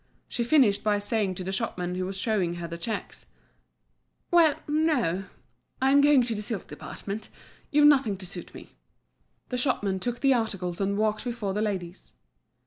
She finished by saying to the shopman who was showing her the checks: "Well—no; I'm going to the silk department; you've nothing to suit me." The shopman took the articles and walked before the ladies.